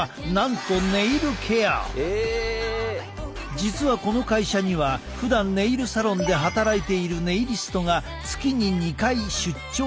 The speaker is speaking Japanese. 実はこの会社にはふだんネイルサロンで働いているネイリストが月に２回出張してくる。